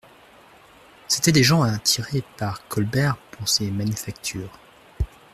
C'étaient des gens attirés par Colbert pour ses manufactures.